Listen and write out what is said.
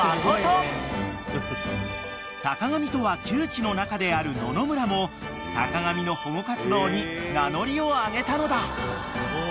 ［坂上とは旧知の仲である野々村も坂上の保護活動に名乗りを上げたのだ］